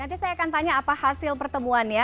nanti saya akan tanya apa hasil pertemuan ya